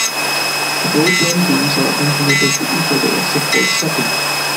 The role-playing games are unrelated to each other except for the setting.